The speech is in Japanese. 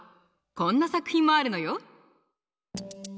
こんな作品もあるのよ。